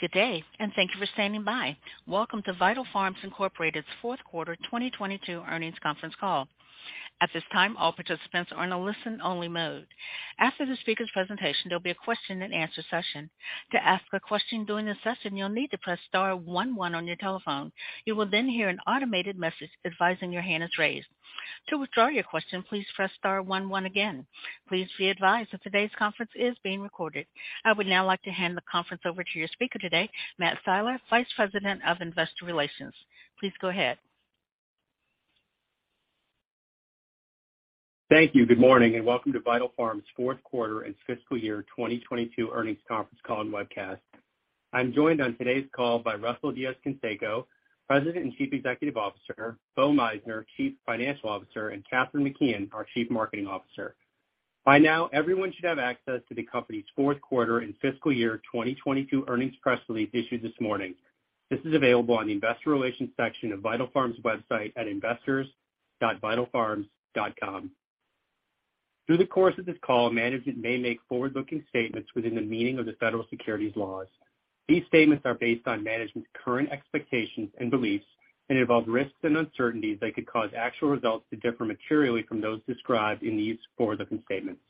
Good day, and thank you for standing by. Welcome to Vital Farms, Inc.'s fourth quarter 2022 earnings conference call. At this time, all participants are in a listen-only mode. After the speaker's presentation, there'll be a question and answer session. To ask a question during the session, you'll need to press star one one on your telephone. You will then hear an automated message advising your hand is raised. To withdraw your question, please press star one one again. Please be advised that today's conference is being recorded. I would now like to hand the conference over to your speaker today, Matt Siler, Vice President of Investor Relations. Please go ahead. Thank you. Good morning, and welcome to Vital Farms' fourth quarter and fiscal year 2022 earnings conference call and webcast. I'm joined on today's call by Russell Diez-Canseco, President and Chief Executive Officer, Bo Meissner, Chief Financial Officer, and Kathryn McKeon, our Chief Marketing Officer. By now, everyone should have access to the company's fourth quarter and fiscal year 2022 earnings press release issued this morning. This is available on the investor relations section of Vital Farms' website at investors.vitalfarms.com. Through the course of this call, management may make forward-looking statements within the meaning of the federal securities laws. These statements are based on management's current expectations and beliefs and involve risks and uncertainties that could cause actual results to differ materially from those described in these forward-looking statements.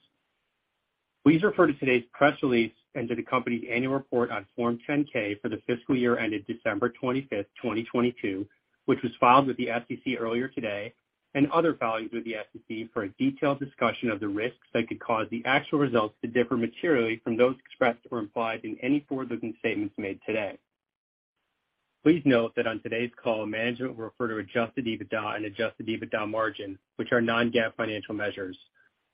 Please refer to today's press release and to the company's annual report on Form 10-K for the fiscal year ended December 25, 2022, which was filed with the SEC earlier today, and other filings with the SEC for a detailed discussion of the risks that could cause the actual results to differ materially from those expressed or implied in any forward-looking statements made today. Please note that on today's call, management will refer to adjusted EBITDA and adjusted EBITDA margin, which are non-GAAP financial measures.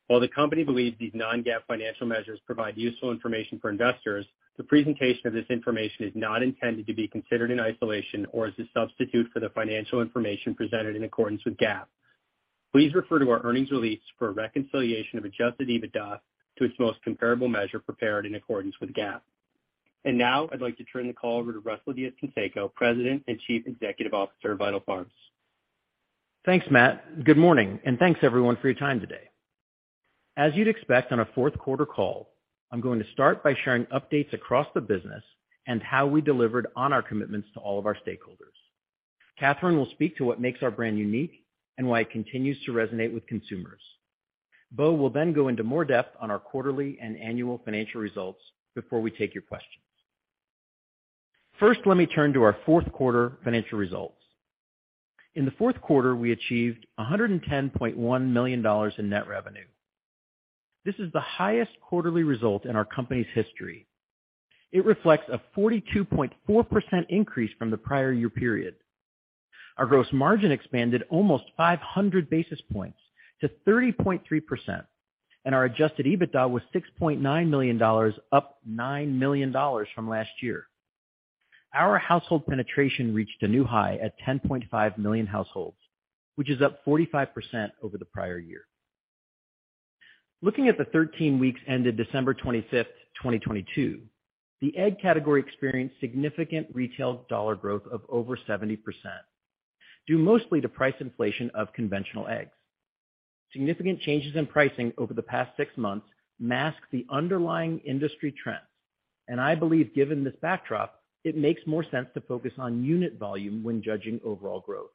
While the company believes these non-GAAP financial measures provide useful information for investors, the presentation of this information is not intended to be considered in isolation or as a substitute for the financial information presented in accordance with GAAP. Please refer to our earnings release for a reconciliation of adjusted EBITDA to its most comparable measure prepared in accordance with GAAP. Now I'd like to turn the call over to Russell Diez-Canseco, President and Chief Executive Officer of Vital Farms. Thanks, Matt. Good morning, and thanks everyone for your time today. As you'd expect on a fourth quarter call, I'm going to start by sharing updates across the business and how we delivered on our commitments to all of our stakeholders. Cathryn will speak to what makes our brand unique and why it continues to resonate with consumers. Bo will then go into more depth on our quarterly and annual financial results before we take your questions. First, let me turn to our fourth quarter financial results. In the fourth quarter, we achieved $110.1 million in net revenue. This is the highest quarterly result in our company's history. It reflects a 42.4% increase from the prior year period. Our gross margin expanded almost 500 basis points to 30.3%. Our adjusted EBITDA was $6.9 million, up $9 million from last year. Our household penetration reached a new high at 10.5 million households, which is up 45% over the prior year. Looking at the 13 weeks ended December 25, 2022, the egg category experienced significant retail dollar growth of over 70%, due mostly to price inflation of conventional eggs. Significant changes in pricing over the past six months mask the underlying industry trends. I believe given this backdrop, it makes more sense to focus on unit volume when judging overall growth.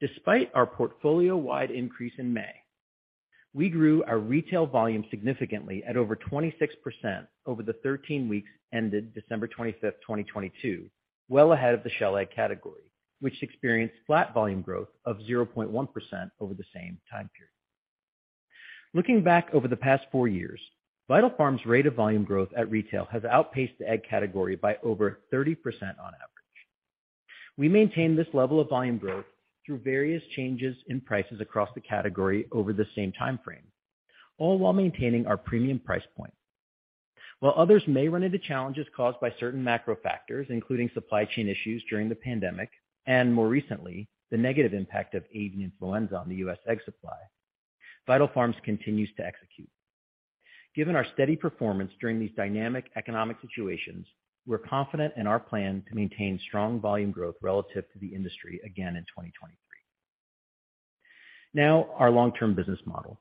Despite our portfolio-wide increase in May, we grew our retail volume significantly at over 26% over the 13 weeks ended December 25, 2022, well ahead of the shell egg category, which experienced flat volume growth of 0.1% over the same time period. Looking back over the past four years, Vital Farms' rate of volume growth at retail has outpaced the egg category by over 30% on average. We maintain this level of volume growth through various changes in prices across the category over the same timeframe, all while maintaining our premium price point. While others may run into challenges caused by certain macro factors, including supply chain issues during the pandemic, and more recently, the negative impact of avian influenza on the U.S. egg supply, Vital Farms continues to execute. Given our steady performance during these dynamic economic situations, we're confident in our plan to maintain strong volume growth relative to the industry again in 2023. Our long-term business model.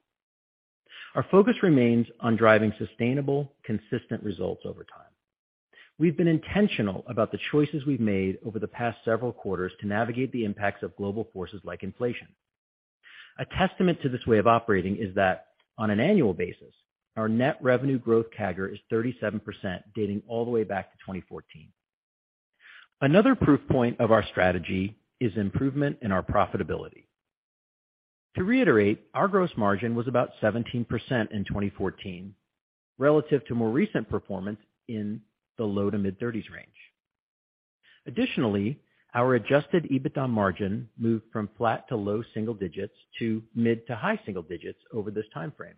Our focus remains on driving sustainable, consistent results over time. We've been intentional about the choices we've made over the past several quarters to navigate the impacts of global forces like inflation. A testament to this way of operating is that on an annual basis, our net revenue growth CAGR is 37% dating all the way back to 2014. Another proof point of our strategy is improvement in our profitability. To reiterate, our gross margin was about 17% in 2014, relative to more recent performance in the low-to-mid-30s range. Additionally, our adjusted EBITDA margin moved from flat to low single-digits to mid-to-high single-digits over this timeframe.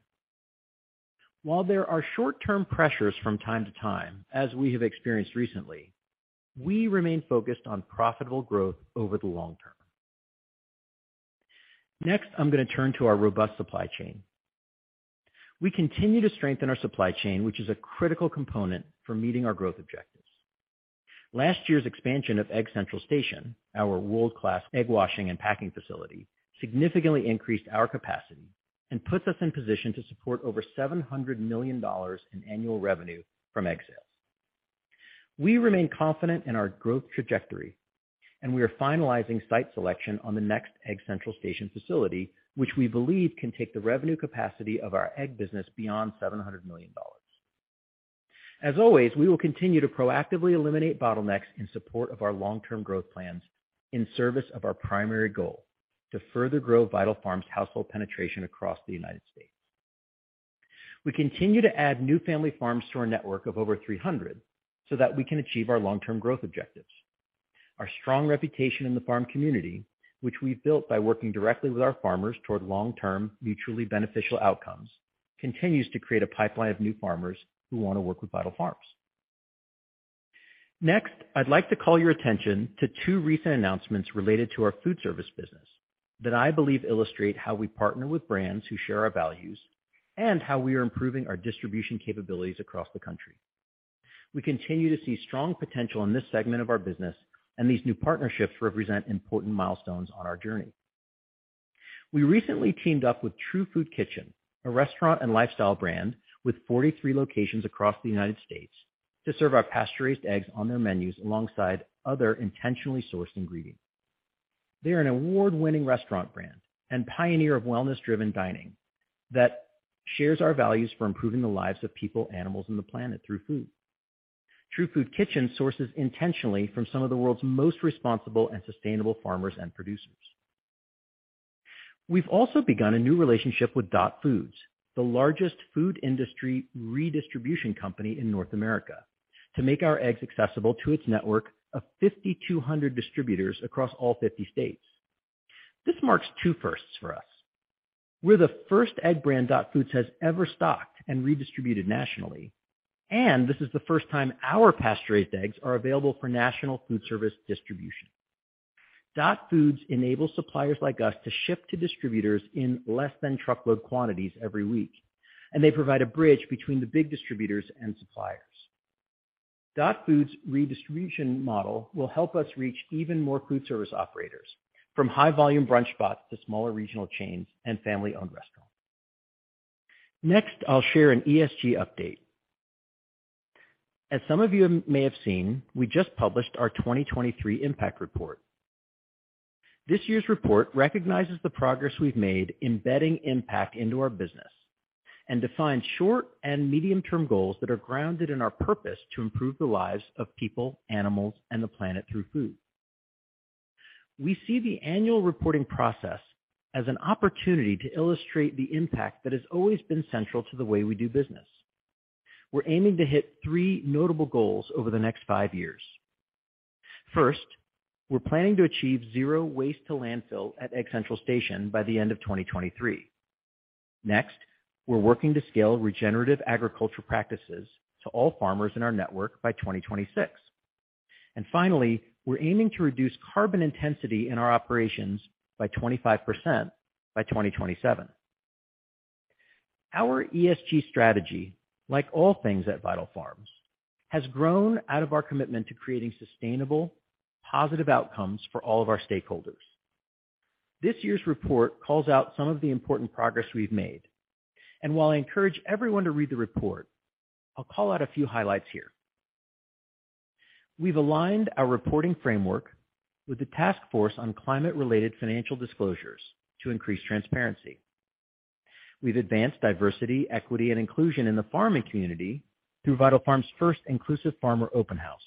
While there are short-term pressures from time to time, as we have experienced recently, we remain focused on profitable growth over the long term. Next, I'm gonna turn to our robust supply chain. We continue to strengthen our supply chain, which is a critical component for meeting our growth objectives. Last year's expansion of Egg Central Station, our world-class egg washing and packing facility, significantly increased our capacity and puts us in position to support over $700 million in annual revenue from egg sales. We remain confident in our growth trajectory, and we are finalizing site selection on the next Egg Central Station facility, which we believe can take the revenue capacity of our egg business beyond $700 million. As always, we will continue to proactively eliminate bottlenecks in support of our long-term growth plans in service of our primary goal, to further grow Vital Farms' household penetration across the United States. We continue to add new family farms to our network of over 300 so that we can achieve our long-term growth objectives. Our strong reputation in the farm community, which we've built by working directly with our farmers toward long-term, mutually beneficial outcomes, continues to create a pipeline of new farmers who wanna work with Vital Farms. Next, I'd like to call your attention to two recent announcements related to our food service business that I believe illustrate how we partner with brands who share our values and how we are improving our distribution capabilities across the country. We continue to see strong potential in this segment of our business, and these new partnerships represent important milestones on our journey. We recently teamed up with True Food Kitchen, a restaurant and lifestyle brand with 43 locations across the United States, to serve our pasture-raised eggs on their menus alongside other intentionally sourced ingredients. They're an award-winning restaurant brand and pioneer of wellness-driven dining that shares our values for improving the lives of people, animals, and the planet through food. True Food Kitchen sources intentionally from some of the world's most responsible and sustainable farmers and producers. We've also begun a new relationship with Dot Foods, the largest food industry redistribution company in North America, to make our eggs accessible to its network of 5,200 distributors across all 50 states. This marks two firsts for us. We're the first egg brand Dot Foods has ever stocked and redistributed nationally, and this is the first time our pasture-raised eggs are available for national food service distribution. Dot Foods enables suppliers like us to ship to distributors in less than truckload quantities every week, and they provide a bridge between the big distributors and suppliers. Dot Foods' redistribution model will help us reach even more food service operators, from high-volume brunch spots to smaller regional chains and family-owned restaurants. Next, I'll share an ESG update. As some of you may have seen, we just published our 2023 impact report. This year's report recognizes the progress we've made embedding impact into our business and defines short and medium-term goals that are grounded in our purpose to improve the lives of people, animals, and the planet through food. We see the annual reporting process as an opportunity to illustrate the impact that has always been central to the way we do business. We're aiming to hit three notable goals over the next 5 years. First, we're planning to achieve zero waste to landfill at Egg Central Station by the end of 2023. Next, we're working to scale regenerative agricultural practices to all farmers in our network by 2026. Finally, we're aiming to reduce carbon intensity in our operations by 25% by 2027. Our ESG strategy, like all things at Vital Farms, has grown out of our commitment to creating sustainable, positive outcomes for all of our stakeholders. This year's report calls out some of the important progress we've made, and while I encourage everyone to read the report, I'll call out a few highlights here. We've aligned our reporting framework with the Task Force on Climate-related Financial Disclosures to increase transparency. We've advanced diversity, equity, and inclusion in the farming community through Vital Farms' first inclusive farmer open house,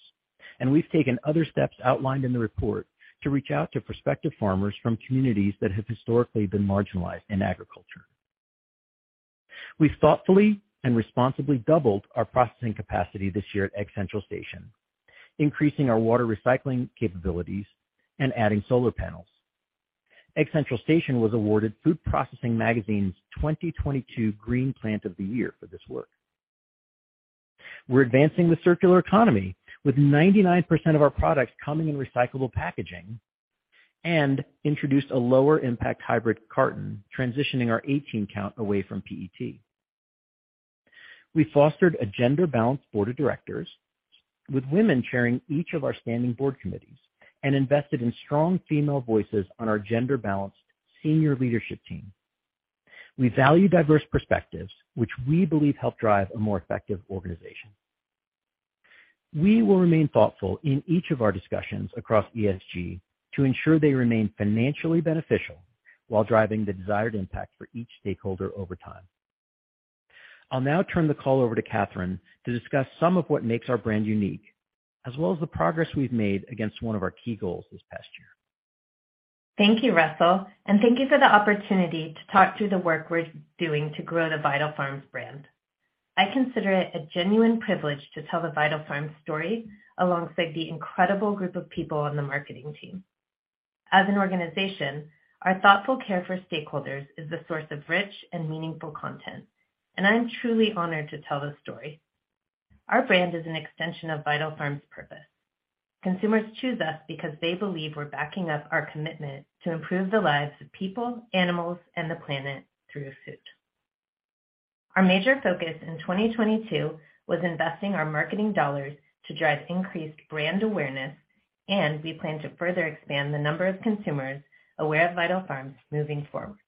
and we've taken other steps outlined in the report to reach out to prospective farmers from communities that have historically been marginalized in agriculture. We've thoughtfully and responsibly doubled our processing capacity this year at Egg Central Station, increasing our water recycling capabilities and adding solar panels. Egg Central Station was awarded Food Processing Magazine's 2022 Green Plant of the Year for this work. We're advancing the circular economy with 99% of our products coming in recyclable packaging and introduced a lower impact hybrid carton, transitioning our 18 count away from PET. We fostered a gender-balanced board of directors with women chairing each of our standing board committees and invested in strong female voices on our gender-balanced senior leadership team. We value diverse perspectives, which we believe help drive a more effective organization. We will remain thoughtful in each of our discussions across ESG to ensure they remain financially beneficial while driving the desired impact for each stakeholder over time. I'll now turn the call over to Katherine to discuss some of what makes our brand unique, as well as the progress we've made against one of our key goals this past year. Thank you, Russell, and thank you for the opportunity to talk through the work we're doing to grow the Vital Farms brand. I consider it a genuine privilege to tell the Vital Farms story alongside the incredible group of people on the marketing team. As an organization, our thoughtful care for stakeholders is the source of rich and meaningful content, and I'm truly honored to tell the story. Our brand is an extension of Vital Farms' purpose. Consumers choose us because they believe we're backing up our commitment to improve the lives of people, animals, and the planet through food. Our major focus in 2022 was investing our marketing dollars to drive increased brand awareness, and we plan to further expand the number of consumers aware of Vital Farms moving forward.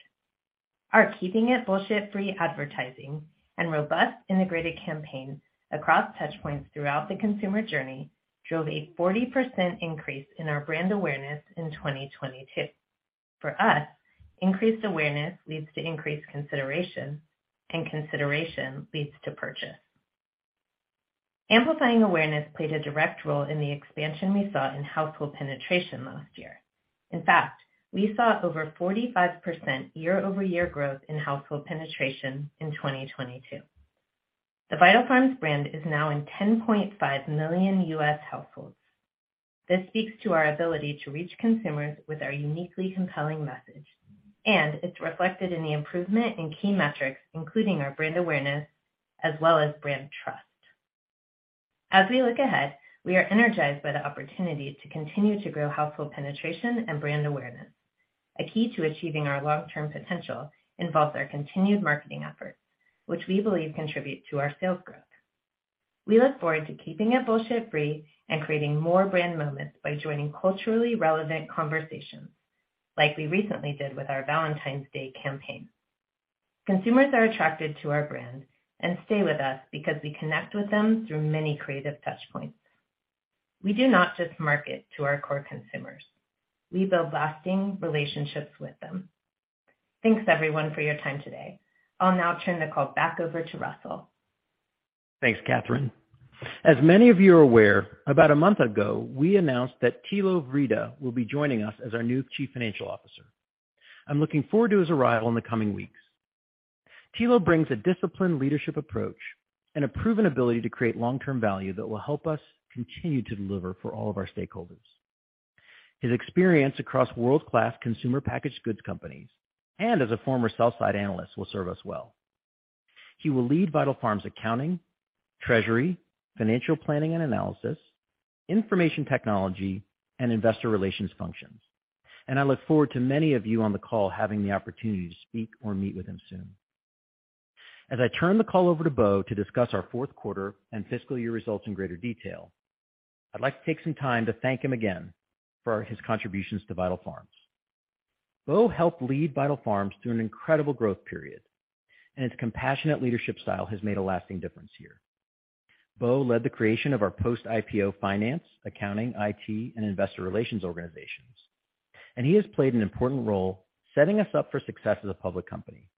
Our Keeping it Bullshit Free advertising and robust integrated campaign across touch points throughout the consumer journey drove a 40% increase in our brand awareness in 2022. For us, increased awareness leads to increased consideration, and consideration leads to purchase. Amplifying awareness played a direct role in the expansion we saw in household penetration last year. In fact, we saw over 45% year-over-year growth in household penetration in 2022. The Vital Farms brand is now in 10.5 million U.S. households. This speaks to our ability to reach consumers with our uniquely compelling message, and it's reflected in the improvement in key metrics, including our brand awareness as well as brand trust. As we look ahead, we are energized by the opportunity to continue to grow household penetration and brand awareness. A key to achieving our long-term potential involves our continued marketing efforts, which we believe contribute to our sales growth. We look forward to Keeping it Bullshit Free and creating more brand moments by joining culturally relevant conversations like we recently did with our Valentine's Day campaign. Consumers are attracted to our brand and stay with us because we connect with them through many creative touch points. We do not just market to our core consumers. We build lasting relationships with them. Thanks, everyone, for your time today. I'll now turn the call back over to Russell. Thanks, Catherine. As many of you are aware, about a month ago, we announced that Thilo Wrede will be joining us as our new Chief Financial Officer. I'm looking forward to his arrival in the coming weeks. Thilo brings a disciplined leadership approach and a proven ability to create long-term value that will help us continue to deliver for all of our stakeholders. His experience across world-class consumer packaged goods companies and as a former sell side analyst will serve us well. He will lead Vital Farms accounting, treasury, financial planning and analysis, information technology, and investor relations functions. I look forward to many of you on the call having the opportunity to speak or meet with him soon. As I turn the call over to Bo to discuss our fourth quarter and fiscal year results in greater detail, I'd like to take some time to thank him again for his contributions to Vital Farms. Bo helped lead Vital Farms through an incredible growth period, and his compassionate leadership style has made a lasting difference here. Bo led the creation of our post-IPO finance, accounting, IT, and investor relations organizations, and he has played an important role setting us up for success as a public company.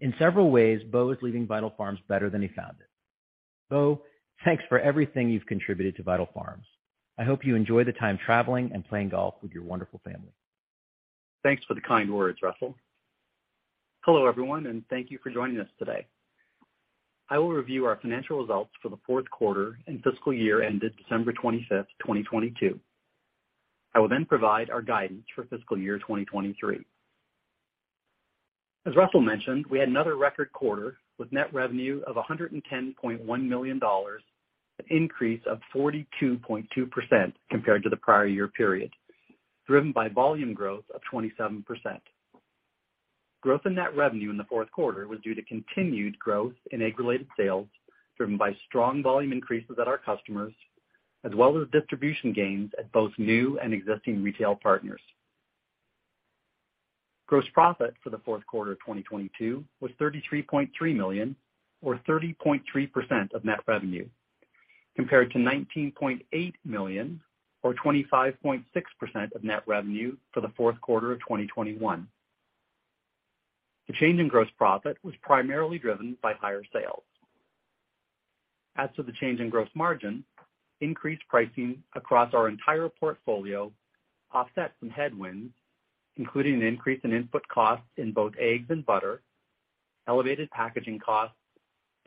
In several ways, Bo is leaving Vital Farms better than he found it. Bo, thanks for everything you've contributed to Vital Farms. I hope you enjoy the time traveling and playing golf with your wonderful family. Thanks for the kind words, Russell. Hello, everyone, and thank you for joining us today. I will review our financial results for the fourth quarter and fiscal year ended December 25, 2022. I will then provide our guidance for fiscal year 2023. As Russell mentioned, we had another record quarter with net revenue of $110.1 million, an increase of 42.2% compared to the prior year period, driven by volume growth of 27%. Growth in net revenue in the fourth quarter was due to continued growth in egg-related sales, driven by strong volume increases at our customers as well as distribution gains at both new and existing retail partners. Gross profit for the fourth quarter of 2022 was $33.3 million or 30.3% of net revenue, compared to $19.8 million or 25.6% of net revenue for the fourth quarter of 2021. The change in gross profit was primarily driven by higher sales. As to the change in gross margin, increased pricing across our entire portfolio offset some headwinds, including an increase in input costs in both eggs and butter, elevated packaging costs,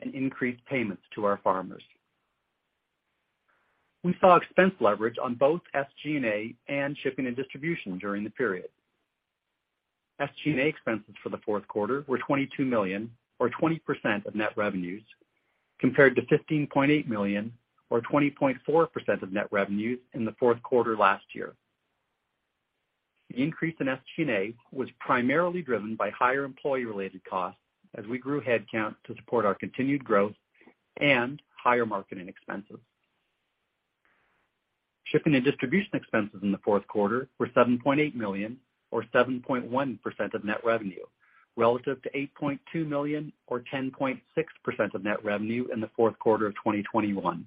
and increased payments to our farmers. We saw expense leverage on both SG&A and shipping and distribution during the period. SG&A expenses for the fourth quarter were $22 million or 20% of net revenues, compared to $15.8 million or 20.4% of net revenues in the fourth quarter last year. The increase in SG&A was primarily driven by higher employee-related costs as we grew headcount to support our continued growth and higher marketing expenses. Shipping and distribution expenses in the fourth quarter were $7.8 million or 7.1% of net revenue, relative to $8.2 million or 10.6% of net revenue in the fourth quarter of 2021.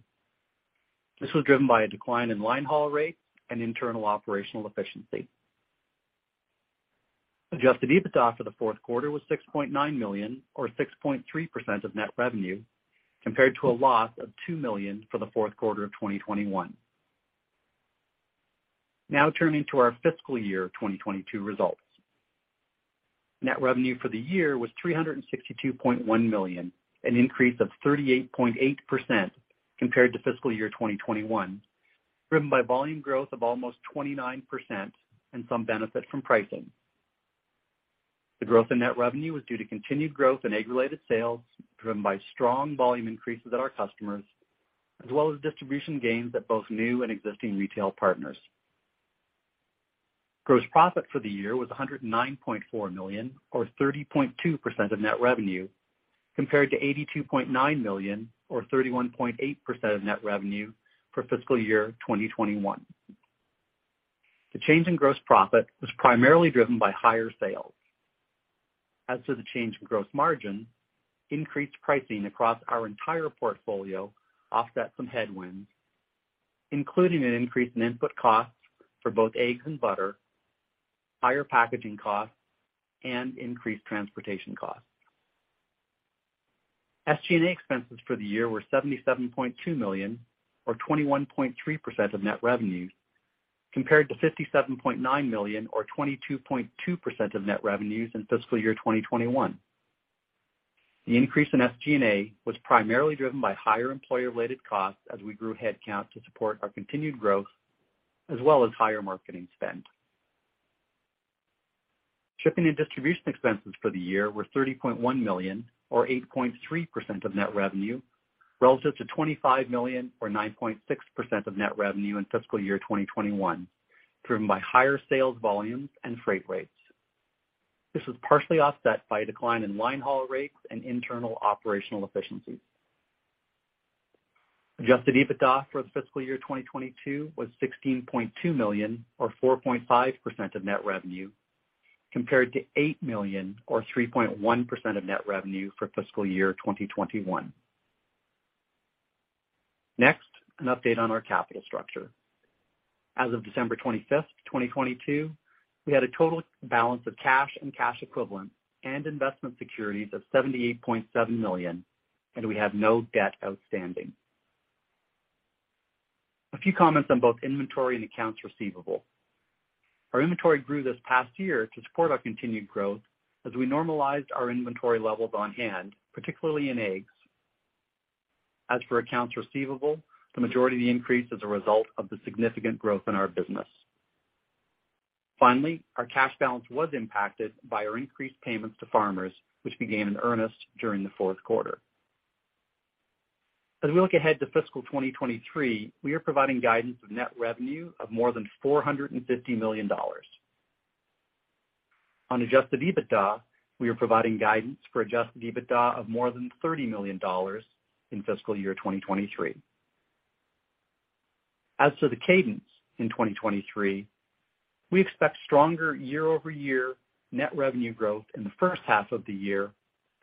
This was driven by a decline in line haul rates and internal operational efficiency. Adjusted EBITDA for the fourth quarter was $6.9 million or 6.3% of net revenue, compared to a loss of $2 million for the fourth quarter of 2021. Turning to our fiscal year 2022 results. Net revenue for the year was $362.1 million, an increase of 38.8% compared to fiscal year 2021, driven by volume growth of almost 29% and some benefit from pricing. The growth in net revenue was due to continued growth in egg-related sales, driven by strong volume increases at our customers as well as distribution gains at both new and existing retail partners. Gross profit for the year was $109.4 million or 30.2% of net revenue, compared to $82.9 million or 31.8% of net revenue for fiscal year 2021. The change in gross profit was primarily driven by higher sales. As for the change in gross margin, increased pricing across our entire portfolio offset some headwinds, including an increase in input costs for both eggs and butter, higher packaging costs, and increased transportation costs. SG&A expenses for the year were $77.2 million or 21.3% of net revenues, compared to $57.9 million or 22.2% of net revenues in fiscal year 2021. The increase in SG&A was primarily driven by higher employer-related costs as we grew headcount to support our continued growth, as well as higher marketing spend. Shipping and distribution expenses for the year were $30.1 million or 8.3% of net revenue relative to $25 million or 9.6% of net revenue in fiscal year 2021, driven by higher sales volumes and freight rates. This was partially offset by a decline in line haul rates and internal operational efficiencies. Adjusted EBITDA for the fiscal year 2022 was $16.2 million or 4.5% of net revenue, compared to $8 million or 3.1% of net revenue for fiscal year 2021. An update on our capital structure. As of December 25th, 2022, we had a total balance of cash and cash equivalents and investment securities of $78.7 million, and we have no debt outstanding. A few comments on both inventory and accounts receivable. Our inventory grew this past year to support our continued growth as we normalized our inventory levels on hand, particularly in eggs. For accounts receivable, the majority of the increase is a result of the significant growth in our business. Finally, our cash balance was impacted by our increased payments to farmers, which began in earnest during the fourth quarter. As we look ahead to fiscal 2023, we are providing guidance of net revenue of more than $450 million. On adjusted EBITDA, we are providing guidance for adjusted EBITDA of more than $30 million in fiscal year 2023. As to the cadence in 2023, we expect stronger year-over-year net revenue growth in the first half of the year,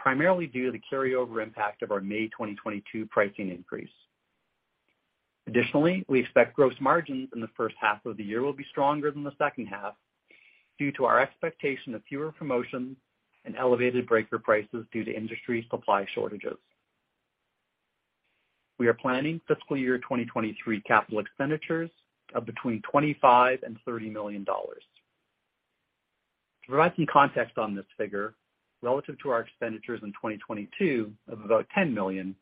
primarily due to the carryover impact of our May 2022 pricing increase. Additionally, we expect gross margins in the first half of the year will be stronger than the second half due to our expectation of fewer promotions and elevated breaker prices due to industry supply shortages. We are planning fiscal year 2023 capital expenditures of between $25 million and $30 million. To provide some context on this figure, relative to our expenditures in 2022 of about $10 million,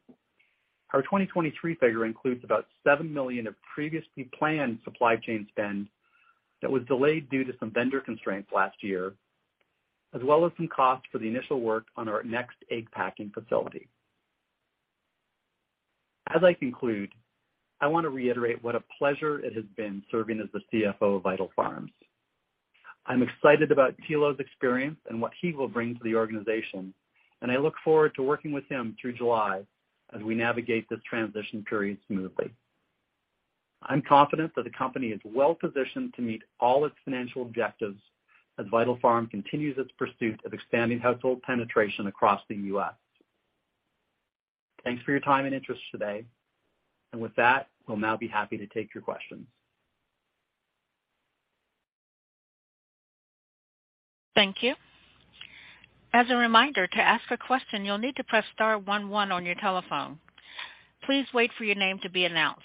our 2023 figure includes about $7 million of previously planned supply chain spend that was delayed due to some vendor constraints last year, as well as some costs for the initial work on our next egg packing facility. As I conclude, I want to reiterate what a pleasure it has been serving as the CFO of Vital Farms. I'm excited about Thilo's experience and what he will bring to the organization. I look forward to working with him through July as we navigate this transition period smoothly. I'm confident that the company is well-positioned to meet all its financial objectives as Vital Farms continues its pursuit of expanding household penetration across the U.S. Thanks for your time and interest today. With that, we'll now be happy to take your questions. Thank you. As a reminder, to ask a question, you'll need to press star one one on your telephone. Please wait for your name to be announced.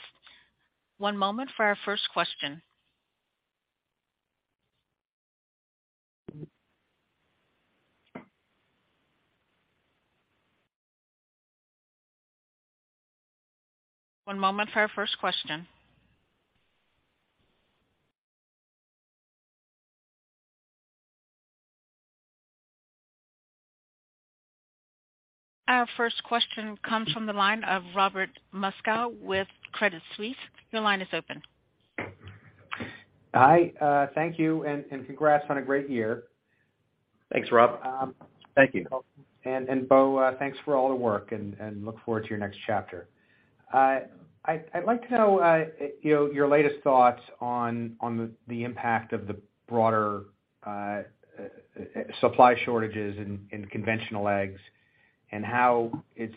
One moment for our first question. Our first question comes from the line of Robert Moskow with Credit Suisse. Your line is open. Hi. Thank you and congrats on a great year. Thanks, Rob. Thank you. Bo, thanks for all the work and look forward to your next chapter. I'd like to know, you know, your latest thoughts on the impact of the broader supply shortages in conventional eggs and how it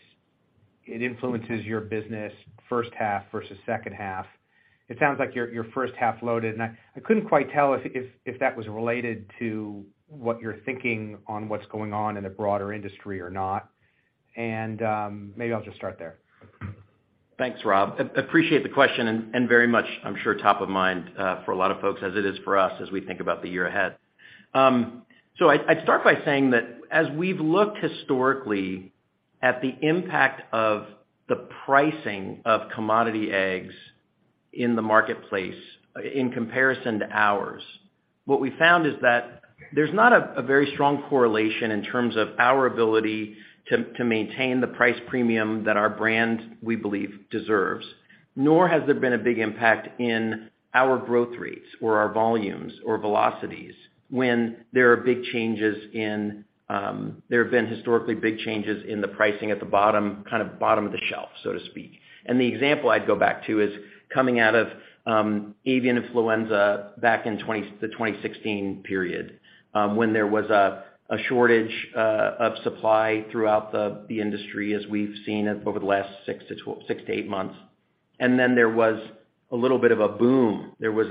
influences your business first half versus second half. It sounds like you're first half loaded, and I couldn't quite tell if that was related to what you're thinking on what's going on in the broader industry or not. Maybe I'll just start there. Thanks, Rob. Appreciate the question, and very much I'm sure top of mind for a lot of folks as it is for us as we think about the year ahead. I'd start by saying that as we've looked historically at the impact of the pricing of commodity eggs in the marketplace in comparison to ours, what we found is that There's not a very strong correlation in terms of our ability to maintain the price premium that our brand, we believe, deserves. Nor has there been a big impact in our growth rates or our volumes or velocities when there are big changes in. There have been historically big changes in the pricing at the bottom, kind of bottom of the shelf, so to speak. The example I'd go back to is coming out of avian influenza back in the 2016 period, when there was a shortage of supply throughout the industry, as we've seen over the last six to eight months. There was a little bit of a boom. There was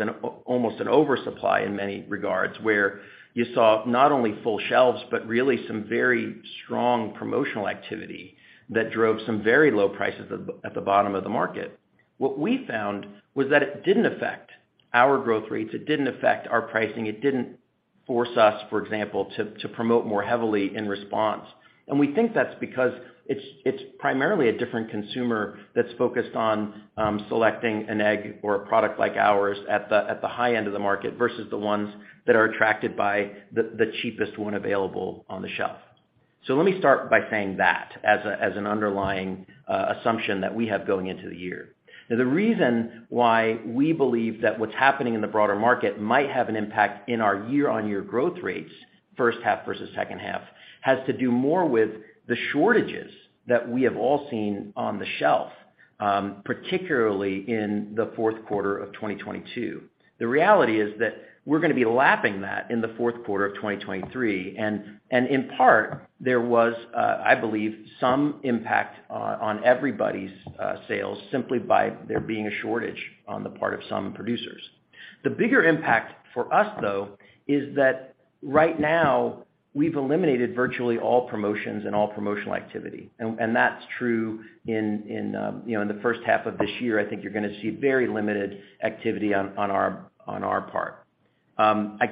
almost an oversupply in many regards, where you saw not only full shelves, but really some very strong promotional activity that drove some very low prices at the bottom of the market. What we found was that it didn't affect our growth rates. It didn't affect our pricing. It didn't force us, for example, to promote more heavily in response. We think that's because it's primarily a different consumer that's focused on selecting an egg or a product like ours at the high end of the market versus the ones that are attracted by the cheapest one available on the shelf. Let me start by saying that as an underlying assumption that we have going into the year. Now, the reason why we believe that what's happening in the broader market might have an impact in our year-on-year growth rates, first half versus second half, has to do more with the shortages that we have all seen on the shelf, particularly in the fourth quarter of 2022. The reality is that we're gonna be lapping that in the fourth quarter of 2023, and in part, there was, I believe, some impact on everybody's sales simply by there being a shortage on the part of some producers. The bigger impact for us, though, is that right now, we've eliminated virtually all promotions and all promotional activity. And that's true in, you know, in the first half of this year. I think you're gonna see very limited activity on our, on our part. I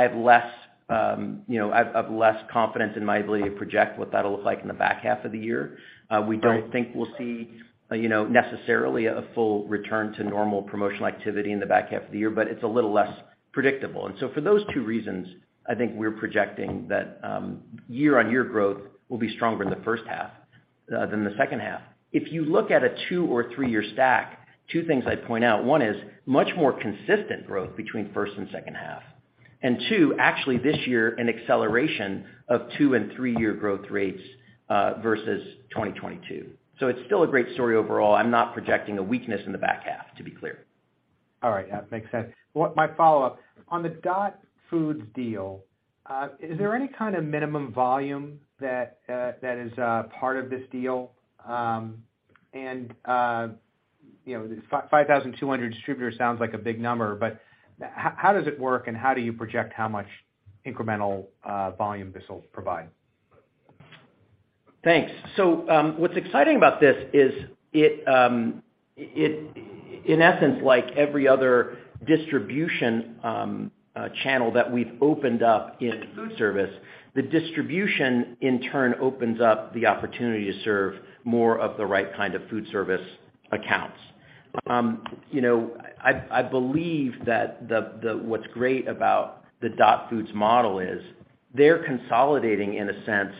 have less, you know, I have less confidence in my ability to project what that'll look like in the back half of the year. We don't think we'll see, you know, necessarily a full return to normal promotional activity in the back half of the year, but it's a little less predictable. For those two reasons, I think we're projecting that year-over-year growth will be stronger in the first half than the second half. If you look at a two or three-year stack, two things I'd point out. One is much more consistent growth between first and second half. Two, actually this year, an acceleration of two and three-year growth rates versus 2022. It's still a great story overall. I'm not projecting a weakness in the back half, to be clear. All right. That makes sense. My follow-up, on the Dot Foods deal, is there any kind of minimum volume that is, part of this deal? You know, this 5,200 distributors sounds like a big number, but how does it work, and how do you project how much incremental, volume this will provide? Thanks. What's exciting about this is it, in essence, like every other distribution channel that we've opened up in food service, the distribution in turn opens up the opportunity to serve more of the right kind of food service accounts. You know, I believe that what's great about the Dot Foods model is they're consolidating, in a sense,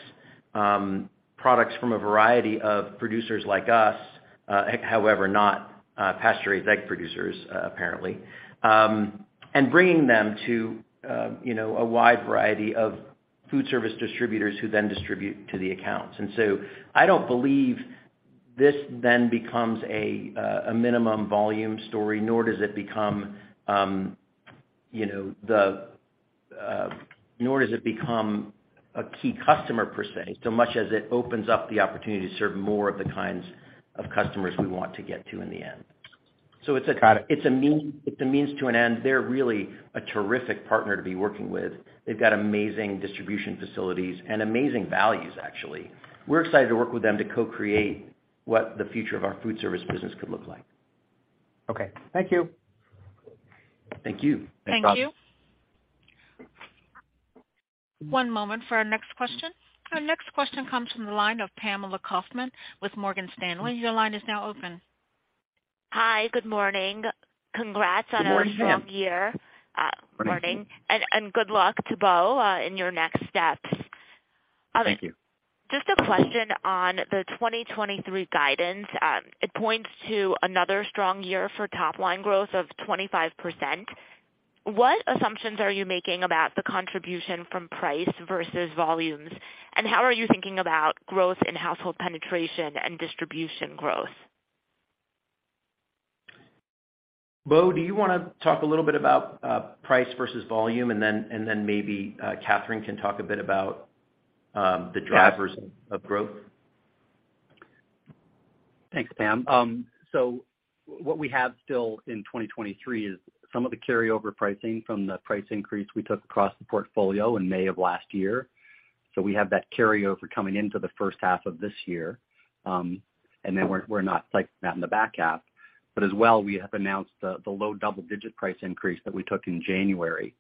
products from a variety of producers like us, however, not pasteurized egg producers, apparently, and bringing them to, you know, a wide variety of food service distributors who then distribute to the accounts. I don't believe this then becomes a minimum volume story, nor does it become a key customer per se, so much as it opens up the opportunity to serve more of the kinds of customers we want to get to in the end. Got it. It's a means to an end. They're really a terrific partner to be working with. They've got amazing distribution facilities and amazing values, actually. We're excited to work with them to co-create what the future of our food service business could look like. Okay. Thank you. Thank you. Thanks, Rob. Thank you. One moment for our next question. Our next question comes from the line of Pamela Kaufman with Morgan Stanley. Your line is now open. Hi. Good morning. Good morning, Pam. Congrats on a strong year. Morning. Morning. Good luck to Bo in your next steps. Thank you. Just a question on the 2023 guidance. It points to another strong year for top line growth of 25%. What assumptions are you making about the contribution from price versus volumes, and how are you thinking about growth in household penetration and distribution growth? Bo, do you wanna talk a little bit about price versus volume, and then maybe Kathryn can talk a bit about the drivers of growth? Yeah. Thanks, Pam. What we have still in 2023 is some of the carryover pricing from the price increase we took across the portfolio in May of last year. We have that carryover coming into the first half of this year, and then we're not pricing that in the back half. As well, we have announced the low double-digit price increase that we took in January.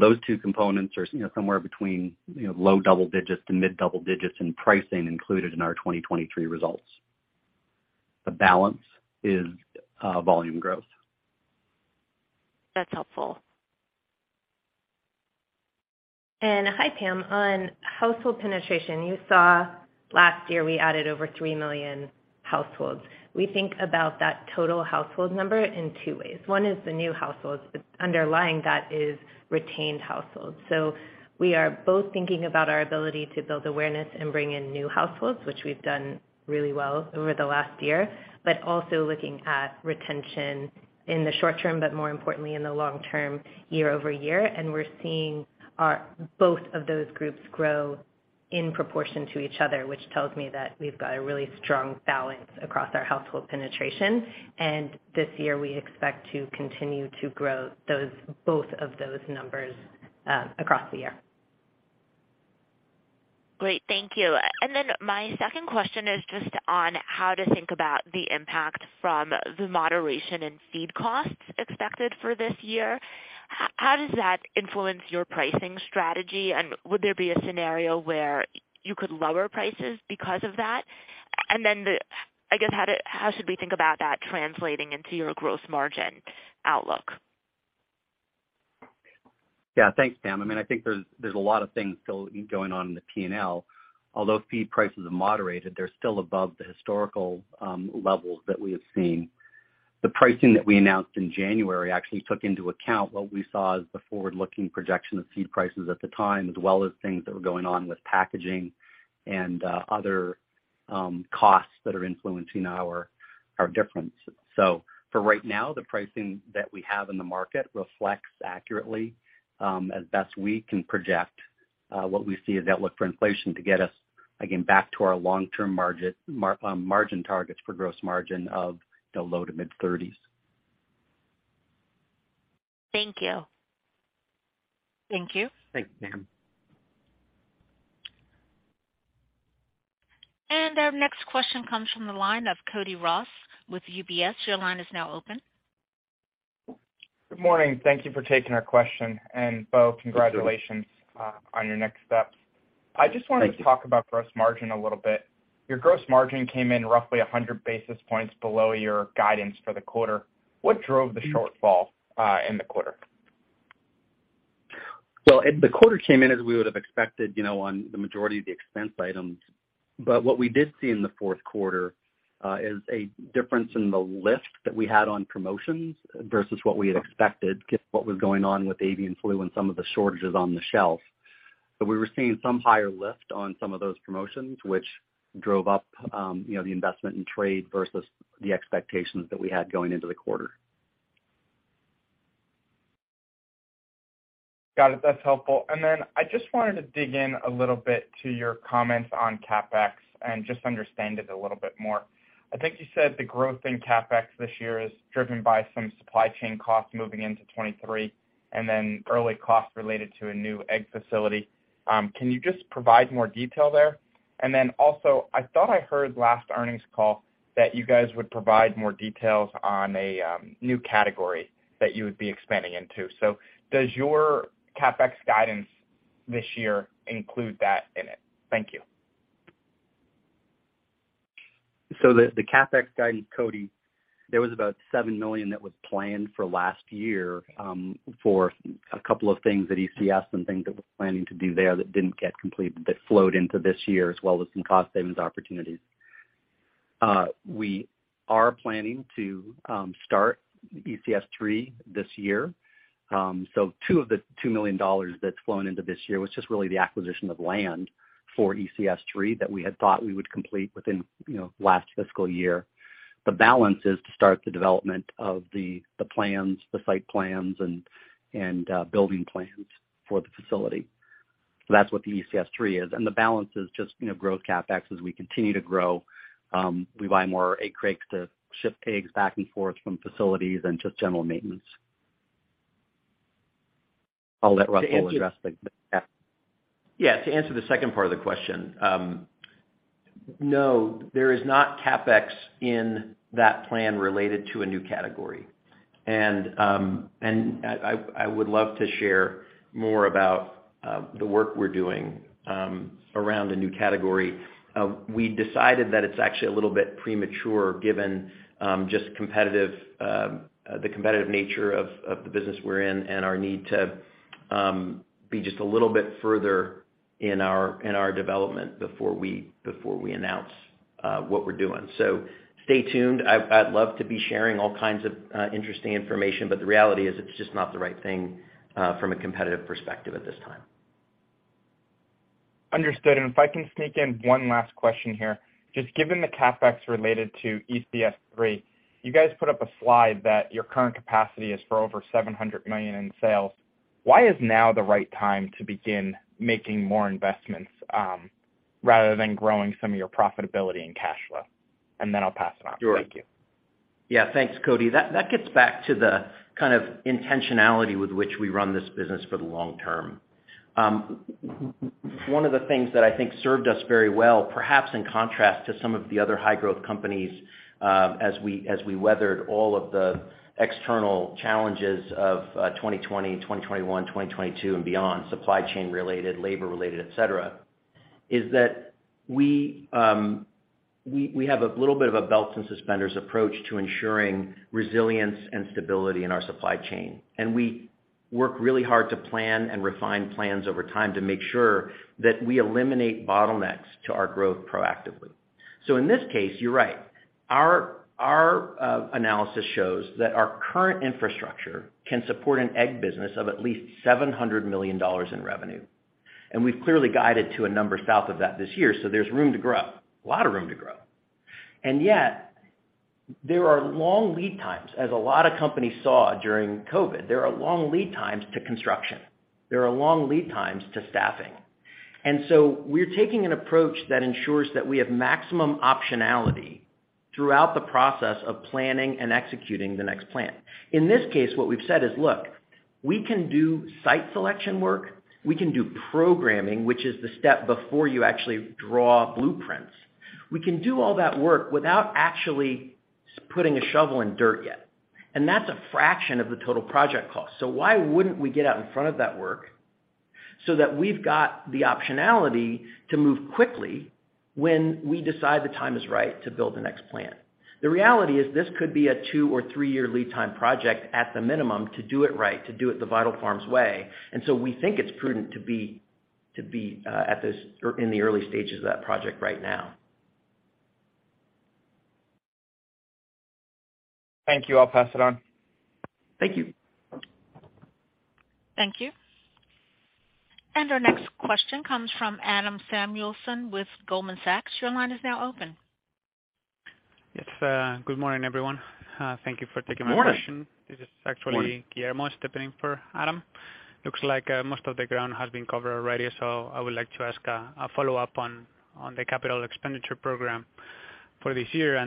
Those two components are, you know, somewhere between, you know, low double digits to mid double digits in pricing included in our 2023 results. The balance is volume growth. That's helpful. Hi, Pam. On household penetration, you saw last year we added over 3 million households. We think about that total household number in two ways. One is the new households, but underlying that is retained households. We are both thinking about our ability to build awareness and bring in new households, which we've done really well over the last year, but also looking at retention in the short term, but more importantly in the long term, year-over-year. We're seeing both of those groups grow in proportion to each other, which tells me that we've got a really strong balance across our household penetration. This year, we expect to continue to grow those both of those numbers across the year. Great. Thank you. My second question is just on how to think about the impact from the moderation in feed costs expected for this year. How does that influence your pricing strategy? Would there be a scenario where you could lower prices because of that? I guess, how should we think about that translating into your gross margin outlook? Thanks, Pam. I mean, I think there's a lot of things going on in the P&L. Although feed prices have moderated, they're still above the historical levels that we have seen. The pricing that we announced in January actually took into account what we saw as the forward-looking projection of feed prices at the time, as well as things that were going on with packaging and other costs that are influencing our difference. For right now, the pricing that we have in the market reflects accurately, as best we can project, what we see as outlook for inflation to get us, again, back to our long-term margin targets for gross margin of the low to mid 30s. Thank you. Thank you. Thanks, Pam. Our next question comes from the line of Cody Ross with UBS. Your line is now open. Good morning. Thank you for taking our question. Bo- Thank you. Congratulations, on your next steps. Thank you. I just wanted to talk about gross margin a little bit. Your gross margin came in roughly 100 basis points below your guidance for the quarter. What drove the shortfall in the quarter? The quarter came in as we would have expected, you know, on the majority of the expense items. What we did see in the fourth quarter, is a difference in the lift that we had on promotions versus what we had expected, given what was going on with avian flu and some of the shortages on the shelf. We were seeing some higher lift on some of those promotions, which drove up, you know, the investment in trade versus the expectations that we had going into the quarter. Got it. That's helpful. I just wanted to dig in a little bit to your comments on CapEx and just understand it a little bit more. I think you said the growth in CapEx this year is driven by some supply chain costs moving into 2023 and then early costs related to a new egg facility. Can you just provide more detail there? I thought I heard last earnings call that you guys would provide more details on a new category that you would be expanding into. Does your CapEx guidance this year include that in it? Thank you. The CapEx guidance, Cody, there was about $7 million that was planned for last year, for a couple of things at ECS and things that we're planning to do there that didn't get completed, that flowed into this year, as well as some cost savings opportunities. We are planning to start ECS3 this year. Two of the $2 million that's flowing into this year was just really the acquisition of land for ECS3 that we had thought we would complete within, you know, last fiscal year. The balance is to start the development of the plans, the site plans and building plans for the facility. That's what the ECS3 is. The balance is just, you know, growth CapEx as we continue to grow. We buy more egg crates to ship eggs back and forth from facilities and just general maintenance. I'll let Russell address the CapEx. Yeah, to answer the second part of the question, no, there is not CapEx in that plan related to a new category. I would love to share more about the work we're doing around a new category. We decided that it's actually a little bit premature given just competitive, the competitive nature of the business we're in and our need to be just a little bit further in our development before we announce what we're doing. Stay tuned. I'd love to be sharing all kinds of interesting information, the reality is it's just not the right thing from a competitive perspective at this time. Understood. If I can sneak in one last question here. Just given the CapEx related to ECS3, you guys put up a slide that your current capacity is for over $700 million in sales. Why is now the right time to begin making more investments, rather than growing some of your profitability and cash flow? I'll pass it on. Thank you. Sure. Yeah. Thanks, Cody. That gets back to the kind of intentionality with which we run this business for the long term. One of the things that I think served us very well, perhaps in contrast to some of the other high growth companies, as we weathered all of the external challenges of 2020, 2021, 2022, and beyond, supply chain related, labor related, et cetera. Is that we have a little bit of a belts and suspenders approach to ensuring resilience and stability in our supply chain. We work really hard to plan and refine plans over time to make sure that we eliminate bottlenecks to our growth proactively. In this case, you're right. Our analysis shows that our current infrastructure can support an egg business of at least $700 million in revenue. We've clearly guided to a number south of that this year, so there's room to grow, a lot of room to grow. Yet there are long lead times, as a lot of companies saw during COVID, there are long lead times to construction. There are long lead times to staffing. So we're taking an approach that ensures that we have maximum optionality throughout the process of planning and executing the next plan. In this case, what we've said is, look, we can do site selection work. We can do programming, which is the step before you actually draw blueprints. We can do all that work without actually putting a shovel in dirt yet, and that's a fraction of the total project cost. Why wouldn't we get out in front of that work so that we've got the optionality to move quickly when we decide the time is right to build the next plant? The reality is this could be a two or three-year lead time project at the minimum to do it right, to do it the Vital Farms way. We think it's prudent to be at this or in the early stages of that project right now. Thank you. I'll pass it on. Thank you. Thank you. Our next question comes from Adam Samuelson with Goldman Sachs. Your line is now open. Yes, good morning, everyone. Thank you for taking my question. Good morning. This is actually Guillermo stepping in for Adam. Looks like most of the ground has been covered already, so I would like to ask a follow-up on the capital expenditure program for this year.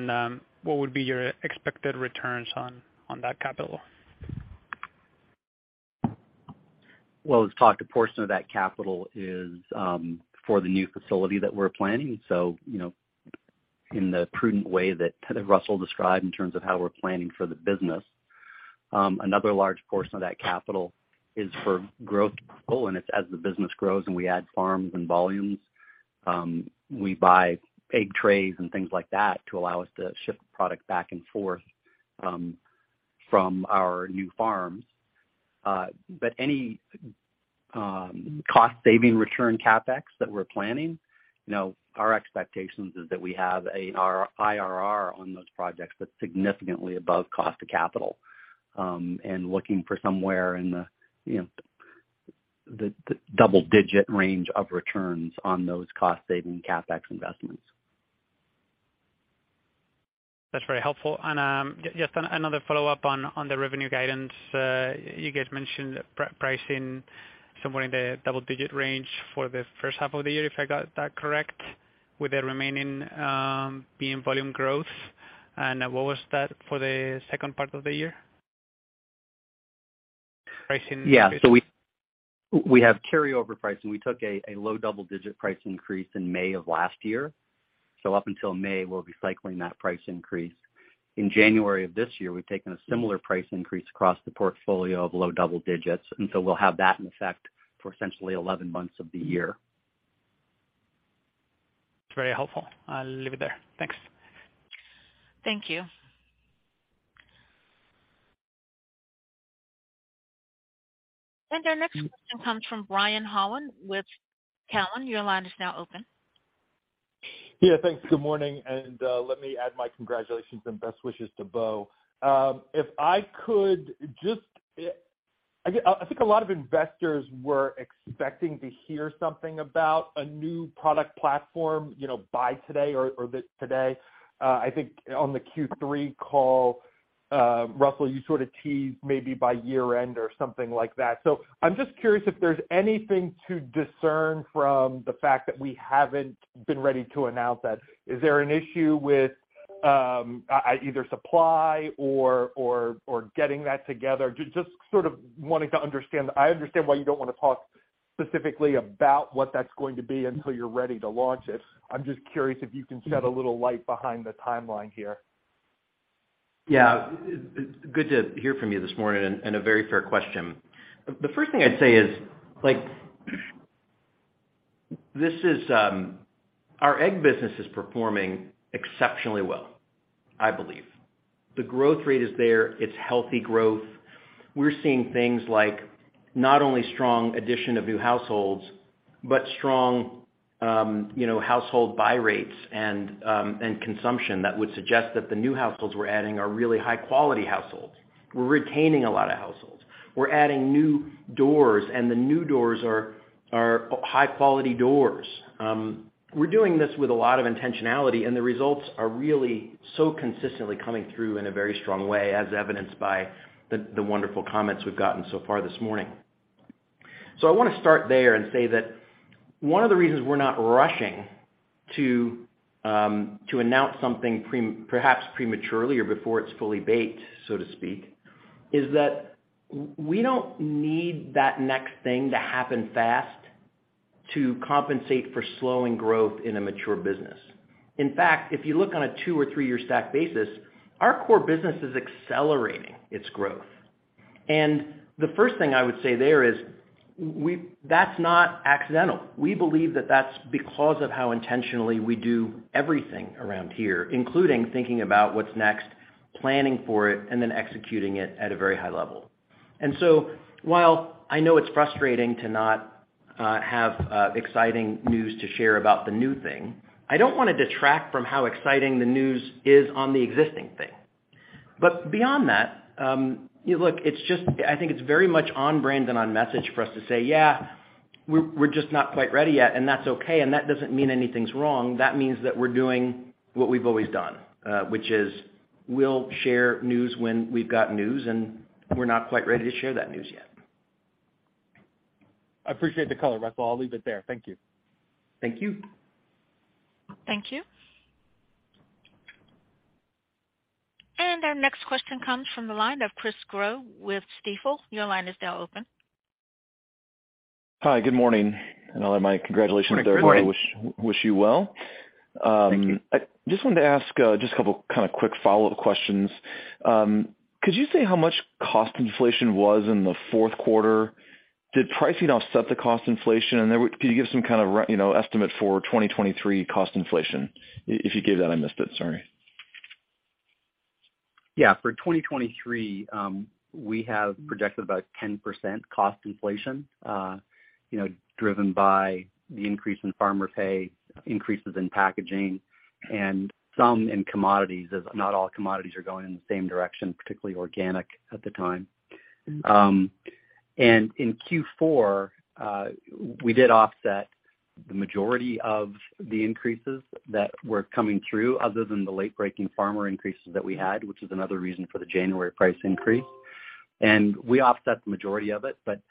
What would be your expected returns on that capital? As talk, a portion of that capital is for the new facility that we're planning. You know, in the prudent way that Russell described in terms of how we're planning for the business, another large portion of that capital is for growth. It's as the business grows and we add farms and volumes, we buy egg trays and things like that to allow us to ship product back and forth from our new farms. Any cost saving return CapEx that we're planning, you know, our expectations is that we have our IRR on those projects that's significantly above cost of capital, and looking for somewhere in the, you know, the double-digit range of returns on those cost saving CapEx investments. That's very helpful. Just another follow-up on the revenue guidance. You guys mentioned pricing somewhere in the double-digit range for the first half of the year, if I got that correct, with the remaining being volume growth. What was that for the second part of the year, pricing? Yeah. We have carryover pricing. We took a low double-digit price increase in May of last year. Up until May, we'll be cycling that price increase. In January of this year, we've taken a similar price increase across the portfolio of low double digits, we'll have that in effect for essentially 11 months of the year. Very helpful. I'll leave it there. Thanks. Thank you. Our next question comes from Brian Holland with Cowen. Your line is now open. Yeah, thanks. Good morning, and let me add my congratulations and best wishes to Bo. If I could just, I think a lot of investors were expecting to hear something about a new product platform, you know, by today or today. I think on the Q3 call, Russell, you sort of teased maybe by year end or something like that. I'm just curious if there's anything to discern from the fact that we haven't been ready to announce that. Is there an issue with either supply or getting that together? Just sort of wanting to understand. I understand why you don't wanna talk specifically about what that's going to be until you're ready to launch it. I'm just curious if you can shed a little light behind the timeline here. Good to hear from you this morning and a very fair question. The first thing I'd say is, like, this is. Our egg business is performing exceptionally well, I believe. The growth rate is there. It's healthy growth. We're seeing things like not only strong addition of new households, but strong, you know, household buy rates and consumption that would suggest that the new households we're adding are really high-quality households. We're retaining a lot of households. We're adding new doors, and the new doors are high-quality doors. We're doing this with a lot of intentionality, and the results are really so consistently coming through in a very strong way, as evidenced by the wonderful comments we've gotten so far this morning. I wanna start there and say that one of the reasons we're not rushing to announce something perhaps prematurely or before it's fully baked, so to speak, is that we don't need that next thing to happen fast to compensate for slowing growth in a mature business. In fact, if you look on a two or three-year stack basis, our core business is accelerating its growth. The first thing I would say there is that's not accidental. We believe that that's because of how intentionally we do everything around here, including thinking about what's next, planning for it, and then executing it at a very high level. While I know it's frustrating to not have exciting news to share about the new thing, I don't wanna detract from how exciting the news is on the existing thing. Beyond that, look, I think it's very much on brand and on message for us to say, "Yeah, we're just not quite ready yet." That's okay. That doesn't mean anything's wrong. That means that we're doing what we've always done, which is we'll share news when we've got news. We're not quite ready to share that news yet. I appreciate the color, Russell. I'll leave it there. Thank you. Thank you. Thank you. Our next question comes from the line of Chris Growe with Stifel. Your line is now open. Hi. Good morning, and I'll add my congratulations. Good morning. I wish you well. Thank you. I just wanted to ask, just a couple kinda quick follow-up questions. Could you say how much cost inflation was in the fourth quarter? Did pricing offset the cost inflation? Then can you give some kind of you know, estimate for 2023 cost inflation? If, if you gave that, I missed it. Sorry. For 2023, we have projected about 10% cost inflation, you know, driven by the increase in farmer pay, increases in packaging and some in commodities, as not all commodities are going in the same direction, particularly organic at the time. In Q4, we did offset the majority of the increases that were coming through other than the late-breaking farmer increases that we had, which is another reason for the January price increase. We offset the majority of it, but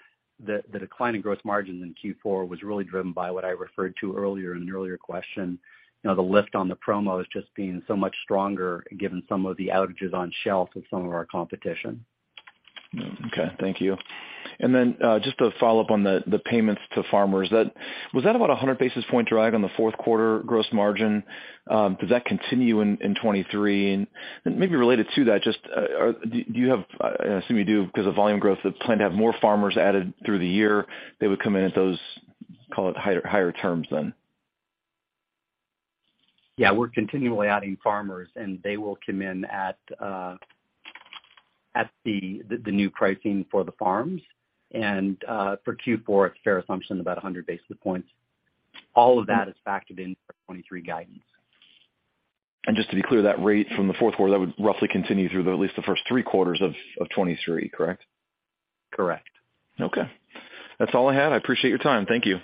the decline in gross margins in Q4 was really driven by what I referred to earlier in an earlier question. You know, the lift on the promos just being so much stronger given some of the outages on shelf with some of our competition. Okay. Thank you. Just to follow up on the payments to farmers. Was that about 100 basis point drag on the fourth quarter gross margin? Does that continue in 2023? Maybe related to that, just, you have, I assume you do 'cause of volume growth, the plan to have more farmers added through the year, they would come in at those, call it higher terms then. Yeah, we're continually adding farmers, and they will come in at the new pricing for the farms. For Q4, it's a fair assumption, about 100 basis points. All of that is factored into our 2023 guidance. just to be clear, that rate from the fourth quarter, that would roughly continue through the at least the first three quarters of 2023, correct? Correct. Okay. That's all I had. I appreciate your time. Thank you.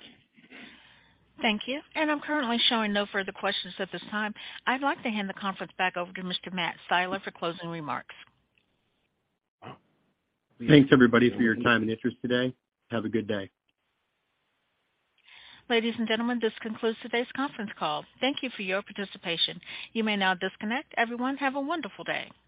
Thank you. I'm currently showing no further questions at this time. I'd like to hand the conference back over to Mr. Matt Siler for closing remarks. Thanks, everybody, for your time and interest today. Have a good day. Ladies and gentlemen, this concludes today's conference call. Thank you for your participation. You may now disconnect. Everyone, have a wonderful day.